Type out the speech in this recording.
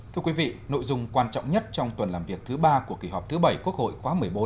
thưa quý vị nội dung quan trọng nhất trong tuần làm việc thứ ba của kỳ họp thứ bảy quốc hội khóa một mươi bốn